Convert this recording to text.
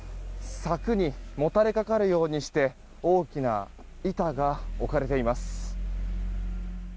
柵にもたれかかるようにして大きな板が置かれています。